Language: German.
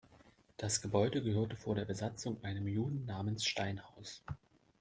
Das Gebäude gehörte vor der Besatzung einem Juden namens Steinhaus.